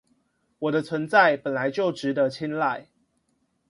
我的存在本來就值得青睞